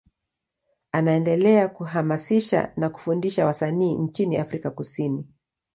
Anaendelea kuhamasisha na kufundisha wasanii nchini Afrika Kusini.